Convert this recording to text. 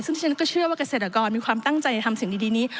ซึ่งที่ฉันก็เชื่อว่าเกษตรกรมีความตั้งใจทำสิ่งดีนี้